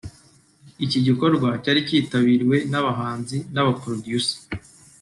Iki gikorwa cyari cyitabiriwe n’abahanzi n’aba Producer